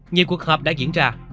nhiều cuộc họp đã diễn ra